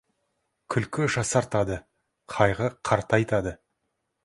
Күлкі жасартады, қайғы қартайтады.